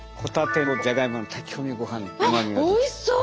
おいしそう！